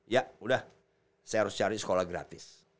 ya udah saya harus cari sekolah gratis